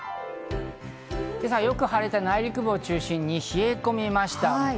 今朝はよく晴れた内陸部を中心に冷え込みました。